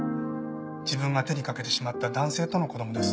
自分が手にかけてしまった男性との子供です。